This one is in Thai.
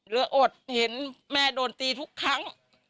อดเห็นแม่โดนตีทุกครั้ง